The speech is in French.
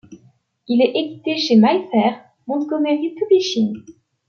Il est édité chez Mayfair Montgomery Publishing.